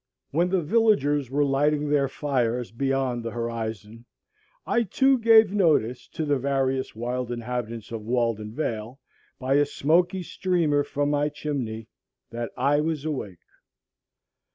When the villagers were lighting their fires beyond the horizon, I too gave notice to the various wild inhabitants of Walden vale, by a smoky streamer from my chimney, that I was awake.